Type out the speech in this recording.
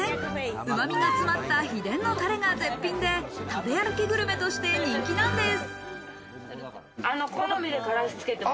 うま味が詰まった秘伝のタレが絶品で、食べ歩きグルメとして人気なんです。